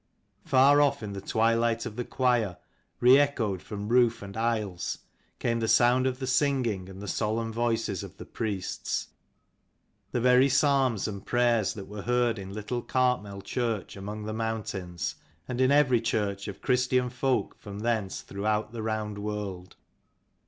Far off, in the twilight of the choir, re echoed from roof and aisles, came the sound of the singing and the solemn voices of the priests: the very psalms and prayers that were heard in little Cartmel church among the mountains, and in every church of Christian folk from thence throughout the round world.